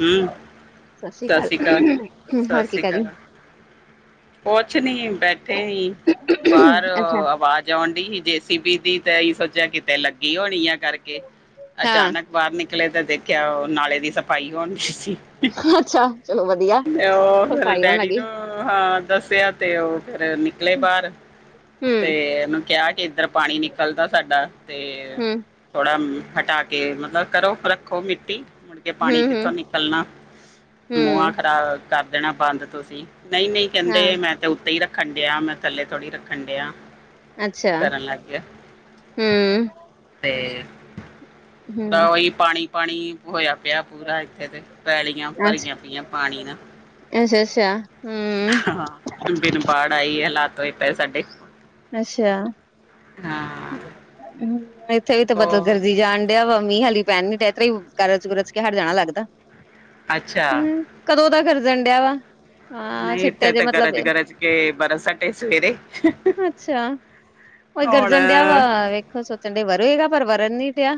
ਹਮ ਸਸੀ ਸਤਿ ਕਾਲ ਸ਼੍ਰੀ ਅਕਾਲ ਹਾ ਕੀ ਕਰ ਰਹੀ। ਕੋਛ ਨੀ ਬੈਠੇ ਇ ਬਾਰ ਅੱਛਾ ਅਵਾਜ਼। [inaudible] [inaudible] ਤੇ ਅਸੀਂ ਸੋਚਿਆ ਕਿਤੇ ਲੱਗੀ ਹੋਣੀ ਏ ਕਰਕੇ। ਹਾਂ ਅਚਾਨਕ ਬਾਹਰ ਨਿਕਲੇ ਤੇ ਦੇਖਿਆ ਓ ਨਾਲੇ ਦੀ ਸਫ਼ਾਈ ਹੋਣਡੀ ਸੀ। ਅੱਛਾ, ਚਲੋ ਵਧੀਆ ਤੇ ਉਹ ਫਿਰ ਸਫ਼ਾਈ ਹੋਣ ਡੈਡੀ ਲੱਗੀ। ਨੂੰ ਹਾਂ, ਦੱਸੇਆ ਤੇ ਓ ਫਿਰ ਨ ਨਿਕਲੇ ਬਾਹਰ ਹੂੰ ਤੇ ਉਨੂੰ ਕਿਆ ਕਿ ਇੱਧਰ ਪਾਣੀ ਨਿਕਲਦਾ ਸਾਡਾ ਤੇ। ਹੂੰ ਥੋੜਾ ਹਟਾ ਕੇ ਮਤਲਬ ਕਰੋ ਰੱਖੋ ਮਿੱਟੀ। ਕੇ ਹੂੰ ਪਾਣੀ ਹੂੰ ਕਿੱਥੋਂ ਨਿਕਲਣਾ ਮੂੰਹਾਂ ਹੂੰ ਖਰਾਬ ਕਰ ਦੇਣਾ ਬੰਦ ਤੁਸੀਂ ਨਈ ਨਈ। ਹਾਂ ਕੇਂਦੇ ਮੈਂ ਤੇ ਉੱਤੇ ਹੀ ਰੱਖਣ ਡਿਆ ਮੈਂ ਥੱਲੇ ਥੋੜ੍ਹੀ ਰੱਖਣ ਡਿਆ। ਅੱਛਾ ਕਰਨ ਲੱਗ ਗਿਆ ਹੂੰ ਤੇ। ਹੂੰ ਪੂਰਾ ਉਹੀ ਪਾਣੀ ਪਾਣੀ ਹੋਇਆ ਪਿਆ ਪੂਰਾ ਇੱਥੇ ਤੇ ਪੈਲੀਆਂ ਅੱਛਾ ਭਰੀਆਂ ਪਈਆਂ। ਪਾਣੀ ਨਾ। ਅੱਛਾ ਅੱਛਾ ਹੂੰ ਹਾਂ, ਬਿਨ ਬਾੜ ਆਈ ਹਲਾਤ ਹੋਏ ਪਏ ਸਾਡੇ। ਅੱਛਾ। ਹਾਂ ਹਮ ਇੱਥੇ ਵੀ ਤਾਂ ਬਦਲ ਉਹ ਗਰਜੀ ਜਾਣ ਡਿਆ ਵਾ ਮੀਂਹ ਹਾਲੀ ਪੈਣ ਨੀ ਡਆ ਗਰਜ ਗੁਰਜ ਕੇ ਹਟ ਜਾਣਾ ਲੱਗਦਾ ਅੱਛਾ ਹੂੰ ਕਦੋਂ ਦਾ ਗਿਰਜਣ ਡਿਆ ਵਾ ਹਾਂ ਨਹੀ ਛਿੱਟੇ ਇਥੇ ਜੇ ਤੇ ਮਤਲਬ ਗਰਜ ਗਰਜ ਕੇ ਬਰਸ ਹਟੇ ਸਵੇਰੇ ਅਛਾ ਉਹ ਹੁਣ ਗਰਜਣ ਡਿਆ ਵਾ ਵੇਖੋ ਸੋਚਣ ਡਿਆ ਵਰੋਏਗਾ ਪਰ ਵਰਨ ਨੀ ਡਿਆ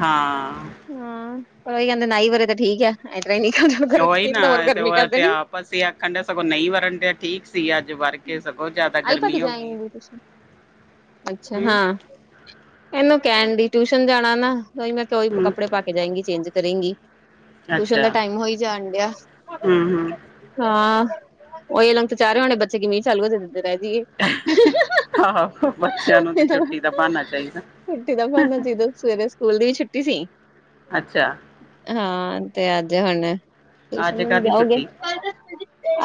ਹਾਂ ਹਾਂ ਪਰ ਉਹੀ ਕਹਿਦੇ ਨਾਈ ਵਰੇ ਤਾਂ ਠੀਕ ਆ। [unintelligible] ਉਹੀ ਨਾ ਤੇ ਉਹ ਕਰ ਤੇ ਦੇਣੀ ਆਪਸ ਹੀ ਆਖਣ ਡ ਸਗੋਂ ਨਹੀ ਵਰਨ ਤੇ ਠੀਕ ਸੀ ਅਜ ਵਰ ਕਿ ਸਗੋ ਜਿਆਦਾ ਆਈ ਗਰਮੀ ਹੋ ਗਈ। [inaudible] ਅਛਾ ਹਮ ਹਾਂ ਇਹਨੂੰ ਕਹਿਣ ਟਿਊਸ਼ਨ ਜਾਣਾ ਨਾ ਉਹੀ ਮੈ ਕਿਉਈ ਹਮ ਕੱਪੜੇ ਪਾ ਕੇ ਜਾਏਗੀ ਚੇਂਜ ਕਰੇਗੀ ਟਊਸ਼ਨ ਦਾ ਅੱਛਾ ਟਾਈਮ ਹੋਈ ਜਾਣ ਡਿਆ। ਹਮ ਹਮ ਹਾਂ ਓਹੀ ਲੰਗ ਤੇ ਚਾਰੇ ਹੋਣੇ ਬੱਚੇ ਮੀਂਹ ਚਾਲੂ ਦੇ ਦਿੰਦੇ ਰਹਿ ਜਈਏ। ਆਹੋ ਬੱਚਿਆਂ ਨੂੰ ਤੇ ਛੁੱਟੀ ਦਾ ਬਹਾਨਾ ਚਾਹੀਦਾ। ਛੁਟੀ ਦਾ ਬਹਾਨਾ ਚਾਹੀਦਾ ਸਵੇਰੇ ਸਕੂਲ ਦੀ ਵੀ ਛੁੱਟੀ ਸੀ। ਅਛਾ ਹਾਂ ਤੇ ਅਜ ਹੁਣ ਟਿਊਸ਼ਨ ਅੱਜ ਵਿ ਕਾਹਦੀ ਜਾਓਗੇ। ਛੁੱਟੀ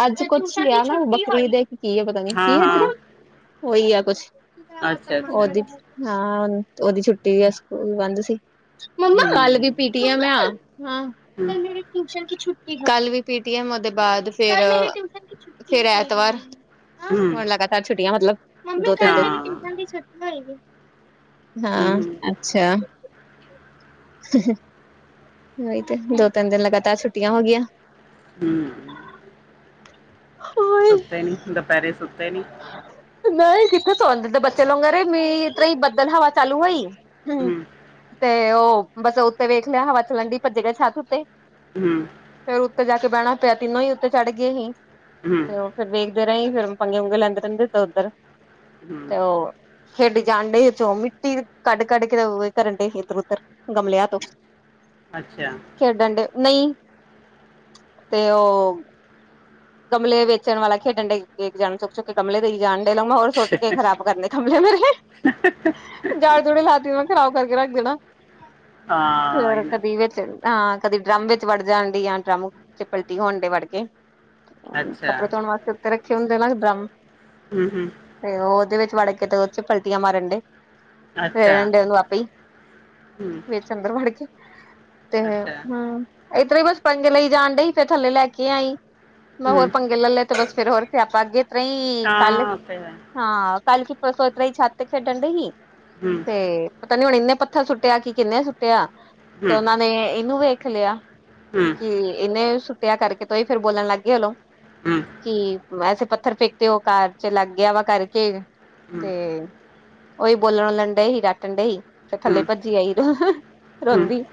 ਅਜ ਕੁਛ ਬੱਖਰੀ ਦੇ ਕੇ ਕੀ ਆ ਪਤਾ ਨੀ ਹਾਂ ਕੀ ਅਜ ਹਾਂ ਉਹੀ ਆ ਕੁਛ ਅੱਛਾ ਅੱਛਾ ਉਹਦੀ ਹਾਂ ਓਦੀ ਛੁਟੀ ਵੀ ਸਕੂਲ ਬੰਦ ਸੀ। ਮੰਮਾ ਕਲ ਵੀ ਹਮ ਪੀਟੀ ਆ ਮੈ [unintelligible] ਛੁਟੀ ਕਲ ਵੀ ਪੀ ਟੀ ਐਮ ਦੇ ਬਾਅਦ ਫੇਰ ਫਿਰ ਐਤਵਾਰ ਹਮ ਹੂਣ ਲਗਾਤਾਰ ਛੁੱਟੀਆਂ ਮਤਲਬ ਦੋ ਤਿੰਨ ਹਾਂ ਦਿਨ ਹਮ ਹਾਂ ਹਮ ਅਛਾ [unintelligible] ਉਹੀ ਤੇ ਦੋ ਤਿੰਨ ਦਿਨ ਲਗਾਤਾਰ ਛੁੱਟੀਆਂ ਹੋ ਗਆਂ। [unintelligible] ਸੁੱਤੇ ਨੀ ਦੁਪਹਿਰੇ ਸੁੱਤੇ ਨੀ ਨਹੀ ਕਿਥੇ ਸੋਦੇ ਬੱਚੇ ਲੋਂਗ ਮੇਰੀ ਤਈ ਬੱਦਲ ਹਵਾ ਚਾਲੂ ਹੋਇ- ਹੂੰ ਤੇ ਉਹ ਬਸ ਉਤੇ ਵੇਖ ਲਿਆ ਹਵਾ ਚਲਣਡੀ ਭਜੇ ਗ ਛਤ ਉਤੇ ਹੂੰ - ਫੇਰ ਉਤੇ ਜਾ ਕੇ ਬਹਿਣਾ ਪਿਆ ਤਿੰਨੋ ਹੀ ਉਤੇ ਚੜ ਗਏ ਸੀ ਹਮ ਤੇ ਉਹ ਫਿਰ ਵੇਖਦੇ ਰਹੇ ਫੇਰ- ਪੰਗੇ ਪੁਗੇ ਲੈਦੇ ਰਹਿਦੇ ਇਧਰ ਉਧਰ ਹਮ ਤੇ ਉਹ ਖੇਡ ਜਾਣ ਡੇ ਚੋ ਮਿੱਟੀ ਕਢ ਕਢ ਕੇ ਕਰਨ ਡੇ ੲਦਰ ਉਦਰ ਗਮਲਿਆਂ ਤੋ ਅੱਛਾ ਖ ਡਣਡੇ ਨਹੀ ਤੇ ਉਹ ਗਮਲੇ ਵੇਚਣ ਵਾਲਾ ਖੇਡਣ ਡੇ ਜਾਣ ਚੁਕ ਚੁੱਕ ਕੇ ਗਮਲੇ ਦੇ ਹੀ ਜਾਣ ਡੇ ਲਾਂ ਮੈ ਹੋਰ ਸੁੱਟ ਕੇ ਖਰਾਬ ਕਰਨੇ- ਗਮਲੇ ਮੇਰੇ ਜਾੜ ਜੜੇ ਲਾਤੀ ਮੈ ਖਰਾਬ ਕਰਕੇ ਰੱਖ ਦੇਣਾ ਹਾਂ ਫੇਰ ਇਹ ਨਾ ਕਦੀ ਵਿਚ ਹਾਂ, ਕਦੀ ਡਰਮ ਵਿਚ ਵੜ ਜਾਣਦਿਆਂ ਡਰਮ ਚ ਪਲਟੀ ਹੋਣ ਦੇ ਵੜਕੇ ਅੱਛਾ ਕੱਪੜੇ ਧੋਣ ਵਾਸਤੇ ਉਤੇ ਰਖੇ ਹੁੰਦੇ ਨਾ ਡਰਮ ਹੂੰ -ਹੂੰ ਫੇਰ ਉਹਦੇ ਵਿਚ ਵੜ ਕੇ ਤੇ ਓਚ ਪਲਟੀਆਂ ਮਾਰਨ ਦੇ ਰਹਿਣ ਦ ਨੂੰ ਆਪੇ ਵਿਚ ਅੰਦਰ ਵੜ ਕੇ ਤੇ ਹੂੰ ਏਤਰਾਈ ਹੀ ਬਸ ਪੰਗੇ ਲਈ ਜਾਣ ਦਈ ਫੇਰ ਥੱਲੇ ਲੈ ਕੇ ਆਈਂ। ਮੈ ਹੋਰ ਪੰਗੇ ਲੈ ਲੈ ਤੇ ਬਸ ਫੇਰ ਹੋਰ- ਸੇਆਪਾ ਅਗੇ ਏਤਰਾਈਂ ਈ ਕੱਲ ਹਾਂ, ਕੱਲ ਕੇ ਪਰਸੋਂ ਏਤਰਾ ਈ ਛੱਤ ਖੇਡਣ ਦ‌ਈ ਹੂੰ ਤੇ ਪਤਾ ਨੀ ਹੁਣ ਇਨੇ ਪੱਥਰ ਸੁੱਟਿਆ ਕੇ ਕਿੰਨੇ ਸੁੱਟਿਆ ਤੇ ਉਹਨਾਂ ਨੇ ਇਹਨੂੰ ਵੇਖ ਲਿਆ ਕਿ ਇਹਨੇ ਸੁੱਟਿਆ ਕਰਕੇ ਤੋਂ ਹੀ ਫੇਿਰ ਬੋਲਣ ਲੱਗ ਗਏ ਉਹਨੂੰ ਕਿ ਵੈਸੇ ਪੱਥਰ ਫੇਕ ਤੇ ਉਹ ਕਾਰ ਚ ਲੱਗ ਗਿਆ ਵਾ ਕਰਕੇ ਤੇ ਉਹੀ ਬੋਲਣ ਵਲਣ ਡਏ ਸੀ ਡੱਟਣ ਡੇ ਸੀ ਫਿਰ ਥੱਲੇ ਭੱਜੀ ਆਈ ਰੋਂਦੀ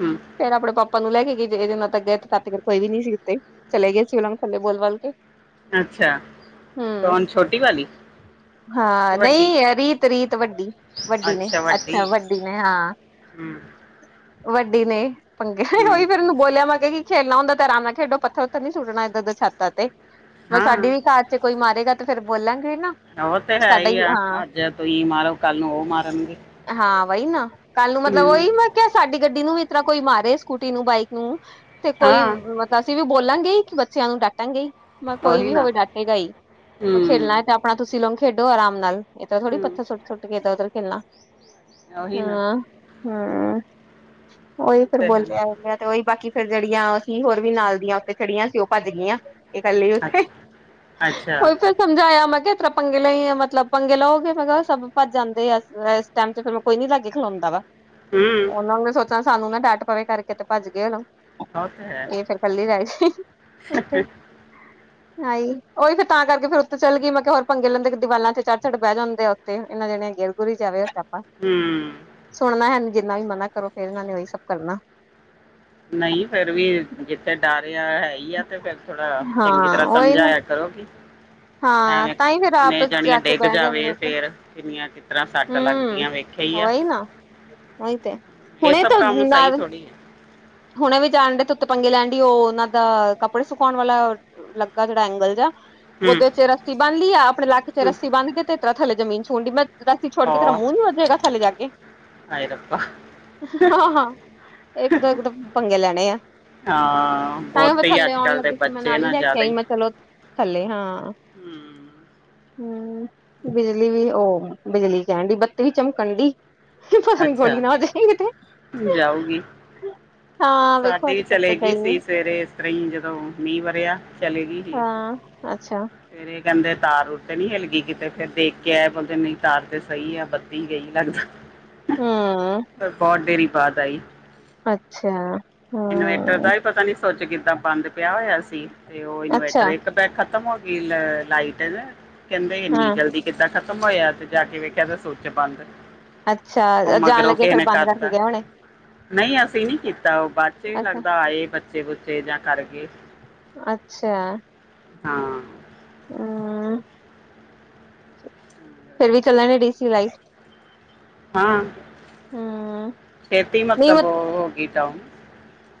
ਹੂੰ ਫੇਰ ਆਪਣੇ ਪਾਪਾ ਨੂੰ ਲੈ ਕੇੇ ਇਹਦੇ ਨਾਲ ਤਾਂ ਗਿਆੱਤਗਰ ਕੋਈ ਵੀ ਨੀ ਸੀ ਉੱਤੇ ਚਲੇ ਗਏ ਸੀ। ਉਹਨਾਂ ਨੂੰ ਥੈਲੇ ਬੋਲ-ਬੋਲ ਕੇ ਅੱਛਾ ਹੂੰ ਕੌਣ ਛੋਟੀ ਵਾਲੀ ਹਾਂ, ਨਹੀਂ ਰੀਤ, ਰੀਤ ਵੱਡੀ ਵੱਡੀ ਨੇ ਅੱਛਾ, ਵੱਡੀ ਨੇ ਹਾਂ ਹੂੰ ਵੱਡੀ ਨੇ ਪੰਗੇ ਹੂੰ ਹੋਈ ਫੇਰ ਏਨੂੰ ਬੋਲਿਆ ਵਾ ਕੇ ਕੀ ਖੇਲਣਾ ਹੁੰਦਾ ਤੇ ਆਰਾਮ ਨਾਲ ਖੇਡੋ ਪੱਥਰ ਉੱਤੇ ਨੀ ਸੁਟਣਾ ਏਦਰ ਦੇ ਛੱਤਾਂ ਤੇ ਮ ਹਾਂ ਸਾਡੀ ਵੀ ਘ ਤੇ ਕੋਈ ਮਾਰੇਗਾ। ਤੇ ਫੇਰ ਬੋਲਾਂਗੇ ਨਾ ਉਹ ਤੇ ਹੈ ਸਾਡਾ ਈ ਹੀ ਆ ਹਾਂ ਅੱਜ ਤੁਸੀਂ ਮਾਰੋ ਕੱਲ ਨੂੰ ਓ ਮਾਰਨਗੇ ਹਾਂ, ਵਹੀ ਨਾ ਕੱਲ ਨੂੰ ਮਤਲਬ ਉਹੀ ਹੂੰ ਮੈਂ ਕਿਆ ਸਾਡੀ ਗੱਡੀ ਨੂੰ ਵੀ ਇਸ ਤਰ੍ਹਾਂ ਕੋਈ ਮਾਰੇ ਸਕੂਟੀ ਨੂੰ ਬਾਈਕ ਨੂੰ ਤੇ ਕੋਈ ਹਾਂ ਮਤਲਬ ਤਾਂ ਅਸੀਂ ਵੀ ਬੋਲਾਂਗੇ ਕਿ ਬੱਚਿਆਂ ਨੂੰ ਡਾਂਟਾਗੇਈ ਮੈਂ ਕੋਈ ਉਹੀ ਵੀ ਨਾ ਹੋਵੇ ਡਾਟੇਗਾ ਹੀ ਮੈਂ ਖੇਡਣਾ ਹੂੰ ਤਾਂ ਆਪਣਾ ਤੁਸੀਂ ਲੋੋਂ ਖੇਡੋ ਆਰਾਮ ਨਾਲ ਇਦਾਂ ਥੋੜੀ ਹੂੰ ਪੱਥਰ ਸੁਟ, ਸੁਟ ਕੇ ਇਧਰ -ਉਧਰ ਖੇਲਣਾ ਉਹੀ ਨਾ ਹੂੰ ਹੂੰ ਉਹੀ ਉਹ ਫਿਰ ਤੇ ਹੈ ਬੋਲਿਆ ਤੇ ਉਈ ਬਾਕੀ ਫਿਰ ਜਿਹੜੀਆਂ ਅਸੀ ਹੋਰ ਵੀ ਨਾਲ ਦੀਆਂ ਉੱਥੇ ਚੜੀਆਂ ਸੀ। ਉਹ ਭੱਜ ਗਈਆਂ। ਇਹ ਕਲੀ ਉਥੇ ਅੱਛਾ ਅੱਛਾ ਉਈ ਫਿਰ ਸਮਝਾਇਆ ਮੈਂ ਕਿਹਾ ਤਰ੍ਹਾਂ ਪੰਗੇ ਲ ਮਤਲਬ ਪੰੰਗੇ ਲਓਗੇ। ਮੈਂ ਕਿਹਾ-ਸਭ ਭੱਜ ਜਾਂਦੇ ਆ ਏਸ ਟਾਈਮ ਤੇ ਫਿਰ ਮੈਂ ਕੋਈ ਨੀ ਲਾਗੇ ਖਲਉਂਦਾ ਵਾ ਹੂੰ ਉਹਨਾਂ ਨੂੰ ਸੋਚਾ ਸਾਨੂੰ ਨਾ ਡੱਟ ਪਵੇ ਕਰਕੇ ਤੇ ਭੱਜ ਗਏ ਆ ਨਾ ਉਹ ਤੇ ਹੈ ਏ ਫੇਰ ਕੱਲੀ ਦਾਈ ਸੀ ਉਥੇ ਨਾ ਹੀ ਉਈ ਫਿਰ ਤਾਂ ਕਰਕੇ਼ ਫਿਰ ਉਤੇ ਚੱਲ ਗਈ‌। ਮੈਂ ਕਿਹਾ-ਹੋਰ ਪੰੰਗੇ ਲਿੰਦੇ ਦੀਵਾਲਾਂ ਤੇ ਚੜ, ਚੜ ਬਹਿ ਜਾਂਦੇ ਆ ਤੇ ਇਨੇ ਜਣੇ ਗਿਰ- ਗੁੂਰ‌ਈ ਜਾਵੇ ਸਿਆਪਾ ਹੂੰ ਸੁਣਨਾ ਹੈਂਨੀ ਜਿੰਨਾ ਵੀ ਮਨਾ ਕਰੋ ਫੇਰ ਇਨਾਂ ਨੇ ਉਹੀ ਸਭ ਕਰਨਾ ਨ‌ਈ ਫੇਰ ਵੀ ਜਿੱਥੇ ਡਰਯਾ ਹੈ ਹੀ ਆ ਤੇ ਫੇਰ ਥੋੜਾ ਹਾਂ ਚੰਗੀ ਤਰ੍ਹਾਂ ਉਹੀ ਨਾ ਸਮਝਾਇਆ ਕਰੋ ਵੀ ਹਾਂ ਤਾਂ ਹੀ ਫੇਰ ਐਵੇਂ-ਮੈਂ ਆਪਸ ਜਾ ਜਾਣੀਆਂ ਕੇ ਡਿੱਗ ਬਹਿ ਜਾਵੇ ਜਾਂਦੇ ਤੇ ਫੇਰ ਕਿੰਨੀਆਂ ਕਿਸ ਤਰ੍ਹਾਂ ਸੱਟ ਲੱਗਦੀਆਂ ਵੇਖ ਉਹਹੀ ਨਾ ਉਹਹੀ ਤੇ ਇਹ ਹੁਣੇ ਸਭ ਤਾਂ ਕੰਮ ਸਹੀ ਥੋੜੀ ਹੈ ਹੁਣੇ ਵੀ ਜਾਣ ਡ ਤ ਉੱਤ ਪੰੰਗੇ ਲੈਣ ਡਈ ਉਹ ਉਹਨਾਂ ਦਾ ਕੱਪੜੇ ਸੁਕਾਉਣ ਵਾਲਾ ਲੱਗਾ ਜਿੜਾ ਐਂਗਲ ਜਹਾ ਹੂੰ ਉਹਦੇ ਚ ਰੱਸੀ ਬਣ ਲਈਆ। ਆਪਣੇ ਲਕ ਚ ਹੂੰ ਰੱਸੀ ਬਣ ਕੇ ਤੇ ਏਤਰਾ ਥੱਲੇਮੀਨ ਛਣਡੀ ਮੈਂ ਰੱਸੀ ਛੋਡ ਕੇ ਤੇਰਾ ਹਾਂ ਮੂੰਹ ਨੀੱ ਵਏਗਾ, ਥੱਲੇ ਜਾ ਕੇ ਹਾਏ ਰੱਬਾ ਹਾਂ, ਹਾਂ ਇੱਕ ਦ ਇੱਕਦਮ ਪੰੰਗੇ ਲੈਣੇ ਆ ਹਾਂ ਤਾਂ ਹੀ ਮੈਂ ਬਹੁਤ ਥੱਲੇ ਅੱਜ ਆਉਣ ਕੱਲ ਦੇ ਲੱਗੀ ਫਿਰ ਮੈਂ ਬੱਚੇ ਨਾਲ ਹੀ ਨਾ ਲੈ ਕੇ ਆਈ ਮੈਂ ਚਲੋ ਥਲੇ ਹਾਂ। ਹੂ ਹੂ, ਬਿਜਲੀ ਵੀ ਉਹ ਬਿਜਲੀ ਕਹਿਣ ਡੀ, ਬੱਤੀ ਵੀ ਚਮਕਣ ਡਈ ਹੂ ਹੂ ਗੋਲੀ ਅੱਛਾ ਨਾ ਹੋ ਜਾਈਂ ਕਿਥੇ ਜਾਊਗੀ ਹਾਂ ਵੇਖੋ ਸਾਡੀ ਵੀ ਅਜੇ ਤੱਕ ਚਲੇ ਤਾਂ ਗੀ ਗਈ ਸੀ ਨੀ ਸਵੇਰੇ ਜਦੋਂ ਮੀਂਹ ਵਰਿਆ ਚਲੇ ਗਈ ਸੀ ਹਾਂ ਅੱਛਾ ਫੇਰ ਇਹ ਕਹਿੰਦੇ ਤਾਰ ਉ ਤੇ ਨੀ ਹਿਲ ਗਈ ਕਿਤੇ, ਫੇਰ ਦੇਖ ਕੇ ਆਏ ਬੋਲਦੇ ਨਹੀਂ ਤਾਰ ਤੇ ਸਹੀ ਆ ਬੱਤੀ ਗਈ ਲੱਗਦਾ ਹੂ ਫਿਰ ਬਹੁਤ ਦੇਰੀ ਬਾਦ ਆਈ ਅੱਛਾ। ਇਨਵੇਟਰ ਹੂੰ ਦਾ ਵੀ ਪਤਾ ਨੀ ਸਵਿਚ ਕਿੱਦਾਂ ਬੰਦ ਪਯਾ ਹੋਇਆ ਸੀ ਤੇ ਉਹ ਇਨਵੇਟਰ ਅੱਛਾ ਇੱਕ ਤੇ ਖਤਮ ਹੋ ਗਈ ਲਾਈਟ ਨ, ਕਹਿੰਦੇ ਇੰਨੀ ਹਾਂ ਜਲਦੀ ਕਿੱਦਾਂ ਖਤਮ ਹੋਇਆ ਤੇ ਜਾ ਕੇ ਵੇਖਿਆ ਤੇ ਸਵਿਚ ਬੰਦ ਉਹ ਅੱਛਾ ਜਾਣ ਮਗਰੋਂ ਲੱਗੇ ਕਿਸੇ ਫੇਰ ਨੇ ਬੰਦ ਕਰਕੇ ਕਰਤਾ ਗਏ ਹੋੁਣੇ ਨਹੀਂ ਅਸੀਂ ਨੀ ਕੀਤਾ ਉਹ ਬਾਅਦ ਚ ਵੀ ਅੱਛਾ ਲੱਗਦਾ ਆਏ ਬੱਚੇ ਬੁੱਚੇ ਜਾਂ ਕਰ ਗਏ ਅੱਛਾ ਹਾਂ ਹਾਂ ਹੁੰ [unintelligible] ਫੇਰ ਵੀ ਕਲੇਯਾ ਨੇ ਡੀ ਸੀ ਲਾਈਟ ਹਾਂ ਹੂੰ ਛੇਤੀ ਨਹੀਂ ਮਤਲਬ ਹੋਗੀ ਡਾਊਨ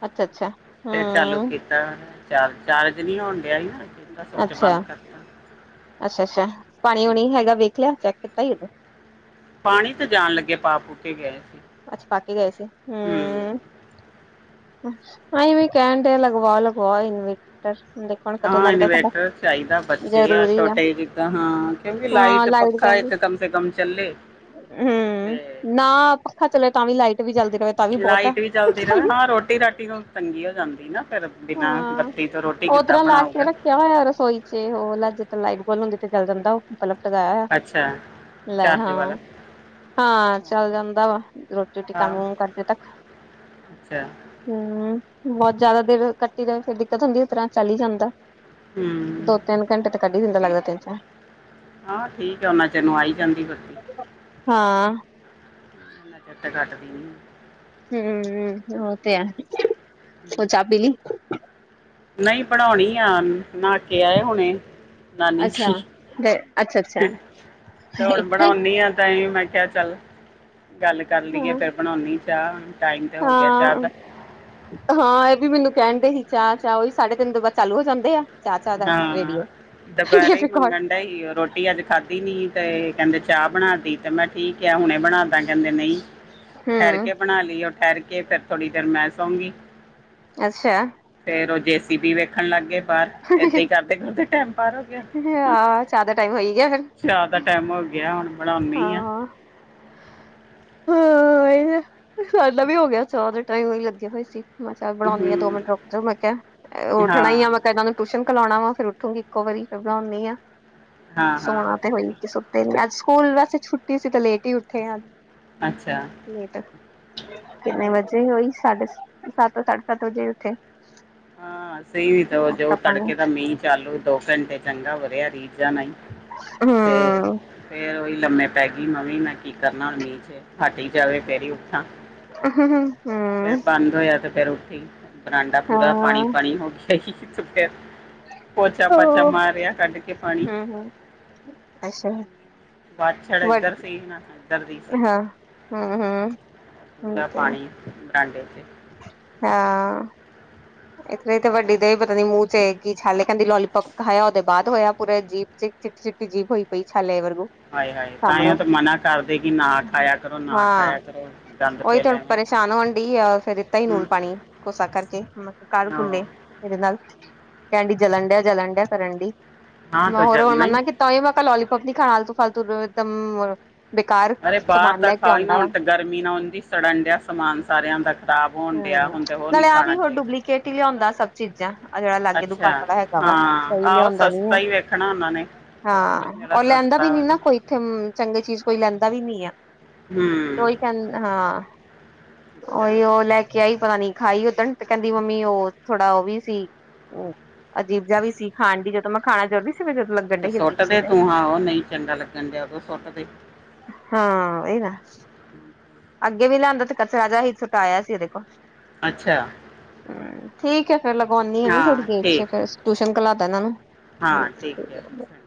ਅੱਛਾ ਅੱਛਾ ਫਿਰ ਚਾਲੂ ਹੂੰ ਕੀਤਾ ਚਾਰਜ ਚਾਰਜ ਨੀ ਹੋਣ ਡਿਆ ਸੀ ਨਾ, ਕੀਤਾ ਸਵਿਚ ਬੰਦ ਅੱਛਾ ਕਰਕੇ ਅੱਛਾ ਅੱਛਾ ਪਾਣੀ ਵਾਣੀ ਹੈਗਾ ਵੇਖ ਲਿਆ, ਚੈੱਕ ਕੀਤਾ ਹੀ ਪਾਣੀ ਤੇ ਜਾਣ ਲੱਗੇ ਪਾ ਪੁੂ ਕੇ ਗਏ ਸੀ ਅੱਛ ਪਾਕੇ ਗਏ ਸੀ ਹੂ ਹੂੰ ਹੈ ਏ ਵੇਂ ਕਹਿੰਣ ਡੇ ਐ, ਲਗਵਾ ਲਗਵਾਓ ਇਨਵੇਟਰ ਦੇਖੋ ਹੁਣ ਕਦੋਂ ਹਾਂ ਲੱਗਦਾ ਸਾਡਾ ਇਨਵੇਟਰ ਚਾਹੀਦਾ, ਬੱਚੇ ਆ ਛੋਟੇ ਜਿੱਦਾਂ ਹਾਂ ਕਿਉਂਕਿ ਹਾਂ ਲਾਈਟ ਪੱਖਾ ਏਹ ਤੇ ਕੰਮ ਸੇ ਕੰਮ ਚੱਲੇ ਹੂ ਤੇ ਨਾ ਪੱਖਾ ਚਲੇ, ਤਾਂ ਵੀ ਲਾਈਟ ਵੀ ਚਲਦੀ ਰਹੇ ਤਾਂ ਵੀ ਬਹੁਤ ਐ ਲਾਈਟ ਵੀ ਚੱਲਦੀ ਰਹੇ ਹਾਂ ਰੋਟੀ ਰਾਟੀ ਤੋਂ ਤੰਗੀ ਹੋ ਜਾਂਦੀ ਨਾ, ਫਿਰ ਬਿਨਾਂ ਹਾਂ ਬੱਤੀ ਤੋਂ ਰੋਟੀ ਉਹ ਕਿੱਦਾਂ ਤਰ੍ਹਾਂ ਲਾ ਕੇ ਬਣਾਉਗਾ ਰੱਖਿਆ ਹੋਇਆ ਰਸੋਈ ਚ ਉਹ ਜਿੱ ਤ ਲਾਈਟ ਗੋਲ ਹੁੰਦੀ ਤੇ ਜਲ ਜਾਂਦਾ, ਔ ਵਾਲਾ ਬਲਬ ਲਗਾਇਆ ਹੋਇਆ ਅੱਛਾ ਲੈ ਚਾਰਜ ਹਾਂ ਵਾਲਾ ਹਾਂ ਚੱਲ ਜਾਂਦਾ ਵਾ ਰੋਟੀ ਰੋਟੀ ਹਾਂ ਕੰਮ ਕੁਮ ਕਰਦੇ ਤੱਕ ਅੱਛਾ ਹੂ ਬਹੁਤ ਜ਼ਿਆਦਾ ਦੇਰ ਕੱਟੀ ਦਾ, ਫਿਰ ਦਿੱਕਤ ਹੁੰਦੀ ਉਸ ਤਰ੍ਹਾਂ ਚੱਲ ਹੀ ਜਾਂਦਾ ਹੂ ਦੋ ਤਿੰਨ ਘੰਟੇ ਤੇ ਕੱਢੀ ਦਿੰਦਾ ਲੱਗਦਾ ਤਿੰਨ ਚਾਰ ਹਾਂ ਠੀਕ ਐ, ਉਹਨਾ ਚਿਰ ਨੂੰ ਆਈ ਜਾਂਦੀ ਬਤੀ ਹਾਂ ਇੰਨਾ ਚਿਰ ਤੇ ਕੱਟਦੀ ਨਹੀਂ ਹੂ, ਓ ਤੇ ਹੈ, ਹੋਰ ਚਾਹ ਪੀਲੀ? ਨਹੀਂ ਬਨਾਉਣੀ ਆ, ਨਾ ਕੇ ਆਏ ਹੁਣੇ। ਨਾ ਨੀ ਸੀ। ਅੱਛਾ ਡ ਅੱਛਾ ਅੱਛਾ ਤੇ, ਤੇ ਹਾਂ ਬਣਾਉਨੀ ਆ ਤਾਂਂ ਮੈਂ ਕਿਹਾ ਚੱਲ, ਗੱਲ ਕਰ ਲਈਏ, ਫਿਰ ਬਣਾਉਨੀ ਚਾਹ, ਟਾਈਮ ਤੇ ਹੋ ਗਿਆ ਚਾਹ ਦਾ। ਹਾਂ ਹਾਂ, ਇਹ ਵੀ ਮੈਨੂੰ ਕਹਿਣ ਡਏ ਹੀ, ਚਾਅ-ਚਾਅ ਉਹੀ ਸਾਢੇ ਤਿੰਨ ਤੋਂ ਬਾਦ ਚਾਲੂ ਹੋ ਜਾਂਦੇ ਆ। ਚਾਅ, ਚਾਅ ਦਾ ਰੇਡੀਓ। ਕਿੰ ਰੋਟੀ ਅੱਜ ਖਾਧੀ ਨੀ, ਤੇ ਕਹਿੰਦੇ ਚਾਆ ਬਣਾ ਦੀ ਤੇ ਮੈਂ ਠੀਕ ਆ, ਹੁਣੇ ਬਣਾਦਾ, ਕਹਿੰਦੇ ਨਹੀਂ। ਠਹਿਰ ਹਮ ਕੇ ਬਣਾ ਲਈ, ਉਹ ਠਹਿਰ ਕੇ, ਫੇਰ ਥੋੜ੍ਹੀ ਦੇਰ ਮੈਂ ਸੌਗੀ। ਅੱਛਾ! ਫੇਰ ਓ ਜੇ-ਸੀ-ਬੀ ਵੇਖਣ ਲੱਗ ਗਏ ਬਾਰ। ਏਦਾਂ ਹੀ ਕਰਦੇ, ਕਰਦੇ ਟੈਮ ਪਾਰ ਹੋ ਗਿਆ। ਹਾਂ ਚਾਹ ਦਾ ਟਾਈਮ ਹੋਈ ਗਿਆ ਫਿਰ ਚਾਰ ਦਾ ਟਾਈਮ ਹੋ ਗਿਆ ਹੁਣ। ਬਣਾਉਣੀ ਆ ਹਾਂ। ਹਾਂ ਇਹ ਸਾਡਾ ਵੀ ਹੋ ਗਿਆ, ਚਾਅ ਦੇ ਟਾਈਮ ਓਹੀ ਲਗੇ ਹੋਏ ਸੀ। ਮੈਂ ਚੱਲ ਬਣਾਨੀ ਆ ਦੋ ਮਿੰਟ ਰੁਕ ਜਾਓ, ਮੈਂ ਕਿਹਾ ਉੱਠਣਾ ਆ ਮੈਂ ਕਿਹਾ ਇਹਨਾਂ ਨੂੰ। ਟਿਊਸ਼ਨ ਘਲਾਉਣਾ ਵਾਂ, ਫੇਰ ਉੱਠੂੰਗੀ ਇੱਕੋ ਵਾਰੀ, ਫਿਰ ਬਣਾਉਂਨੀ ਆ, ਸੋਣਾ ਤੇ ਹੋਈ ਤੇ ਅੱਜ ਸਕੂਲ ਵੈਸੇ ਛੁੱਟੀ ਸੀ ਤੇ ਲੇਟ ਹੀ ਉੱਠੇ ਹਾਂ ਅੱ ਅੱਛਾ। ਲੇਟ। ਕਿੰਨੇ ਵਜੇ ਹੋਈ, ਸਾਡੇ ਸੱਤ - ਸਾਢੇ ਸੱਤ ਵਜੇ ਉਠੇ। ਹਾਂ, ਸਹੀ ਵੀ ਤਾਂ ਜੋ ਪਾਪਾ ਨੇ ਤੜਕੇ ਦਾ ਮੀਂਹ ਚਾਲੂ, ਦੋ ਘੰਟੇ ਚੰਗਾ ਵਰਿਆ ਰੀਜਾ ਨਾ ਹੀ। ਹੂੰ ਤੇ ਫੇਰ ਉਹੀ ਲੰਮੇ ਪੈ ਗਈ ਮੈਂ ਵੀ। ਮੈਂ ਕੀ ਕਰਨਾ ਹੁਨ ਮੀਂਹ ਚ ਹੱਟ ਹੀ ਜਾਵੇ ਫੇਰ ਹੀ ਉੱਠਾਂ। ਹੂੰ ਫੇਰ ਬੰਦ ਹੋਇਆ ਤੇ ਫੇਰ ਉੱਠੀ। ਬਰਾਂਡਾ ਪੂਰਾ ਹਾਂ ਪਾਣੀ -ਪਾਣੀ ਹੋ ਗਿਆ ਸੀ ਪੋਚਾ ਪਾਚਾ ਹੂੰ ਮਾਰਿਆ ਕੱਢ ਕੇ ਪਾਣੀ। ਹੂੰ ਅੱਛਾ ਵਾਸ਼ਰ ਵ ਇੱਧਰ ਸੀ ਏਧਰ ਦੀ ਸੀ, ਹਾਂ ਹੂੰ ਹੂੰ ਪੂਰਾ ਤੇ ਪਾਣੀ ਬਰਾਂਡੇ 'ਚ ਹਾਂ। ਇੱਕ ਤੇ ਵੱਡੀ ਦੇ ਹੀ ਪਤਾ ਨੀ ਮੂੰਹ 'ਚ ਛਾਲੇ, ਕਹਿੰਦੀ ਲੋਲੀਪੋਪ ਖਾਇਆ ਉਹਦੇ ਬਾਅਦ ਹੋਇਆ ਪੂਰੇ ਜੀਬ 'ਚ ਚਿੱਟੀ, ਚਿੱਟੀ ਜੀਬ ਹੋਈ ਪਈ ਛਾਲਿਆਂ ਵਰਗੂ। ਹਾਏ ਹਾਏ ਤਾਂਹੀ ਸਾਹਮਣੇ ਉਹ ਤਾਂ ਮਨਾ ਕਰਦੇ ਕਿ ਨਾ ਖਾਇਆ ਕਰੋ, ਨਾ ਹਾਂ ਖਾਇਆ ਕਰੋ ਗੰਦ ਉਹੀ ਪੈ ਤਾ ਹੁਣ ਲੈਣੇ ਪਰੇਸ਼ਾਨ ਹੋਣ ਡਈ ਆ, ਫੇਰ ਦਿੱਤਾ ਹੀ ਨੂਨ ਹੂੰ ਪਾਣੀ ਕੋਸਾ ਕਰਕੇ ਮਤਲਬ ਕਰ ਕੁੱਲੇ ਉਹ, ਏਦੇ ਨਾਲ, ਕਹਿਣ ਡਈ ਜਲਣ ਡਿਆ, ਜਲਣ ਡਿਆ ਕਰਨ ਡਈ। ਹਾਂ ਮੈਂ ਤਾਂ ਹੋਰ ਹੁਣ ਜਲਣਾ ਹੀ ਮਨਾ ਕੀਤਾ ਓਹੀ ਮੈਂ ਕਿਹਾ ਲੋਲੀਪੋਪ ਨੀ ਖਾਣਾ ਆਲਤੂ- ਫਾਲਤੂ ਅਰੇ ਬਾਹਰ ਦਾ ਖਾਓ ਹੀ ਨਾ, ਹੁਣ ਤੇ ਗਰਮੀ ਨਾ ਉਂਝ ਹੀ ਸੜਨ ਡਿਆ ਸਮਾਨ ਸਾਰਿਆਂ ਦਾ, ਖਰਾਬ ਹੋਣ ਡਿਆ ਹੁਣ ਤੇ ਹੋਰ ਨੀ ਆ ਵੀ ਹੋਰ ਡੁਪਲੀਕੇਟ ਹੀ ਲਿਆਉਂਦਾ ਸਭ ਚੀਜ਼ਾਂ। ਆਹ ਜਿੜਾ ਲਾਗੇ ਅੱਛਾ ਦੁਕਾਨ ਵਾਲਾ ਹੈਗਾ ਵਾ, ਹਾਂ ਸਹੀ ਆਹੋ ਲਿਆਉਂਦਾ ਨੀ ਆ। ਸਸਤਾ ਹੀ ਵੇਖਣਾ ਉਹਨਾਂ ਨੇ ਹਾਂ, ਜਿਹੜਾ ਔਰ ਲੈਂਦਾ ਵੀ ਸਸਤਾ ਨੀ ਵਾਲਾ ਨਾ ਕੋਈ ਇੱਥੇ, ਚੰਗੀ ਚੀਜ਼ ਕੋਈ ਲੈਂਦਾ ਵੀ ਨੀ ਆ। ਹਮ। ਕਹਿਨ ਹਾਂ, ਉਹੀਓ ਲੈ ਕੇ ਆਈ ਪਤਾ ਨੀ ਖਾਈ ਉ ਦੀ ਮੰਮੀ ਉਹ ਥੋੜਾ ਉਹ ਵੀ ਸੀ ਹੂ ਅਜੀਬ ਜਿਆ ਵੀ ਸੀ, ਖਾਣ ਦੀ ਜਦੋਂ ਮੈਂ ਖਾਣਾ ਜ਼ਰੂਰੀ ਸੀ ਮੈਂ ਜਦੋਂ ਲੱ ਤੇ ਸੁੱਟਦੇ ਤੂੰ ਆਹੋ, ਨਹੀਂ ਚੰਗਾ ਲੱਗਣ ਡਿਆ ਉਦੋਂ ਸੁੱਟਦੇ। ਹਾਂ ਇਹ ਤਾਂ ਹੈ। ਅੱਗੇ ਵੀ ਲਿਆਂਦਾ ਤੇ ਕਚਰਾ ਜਾ ਸੀ ਸੁੱਟਾ ਆਇਆ ਸੀ ਇਹਦੇ ਕੋਲ ਅੱਛਾ। [unintelligible] ਠੀਕ ਹੈ ਫੇਰ ਲਗਾਉਂਦੀ ਆ ਥੋੜੀ ਹਾਂ ਦੇਰ ਚ ਠੀਕ ਫੇਰ ਟਿਊਸ਼ਨ [unintelligible] ਇਹਨਾ ਨੂੰ ਹਾਂ ਠੀਕ ਹੈ। ਹੈ